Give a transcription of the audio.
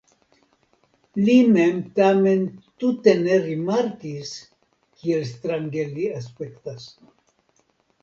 Li mem tamen tute ne rimarkis, kiel strange li aspektas.